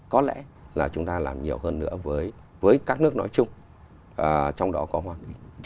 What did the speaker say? có lẽ là chúng ta làm nhiều hơn nữa với các nước nói chung trong đó có hoa kỳ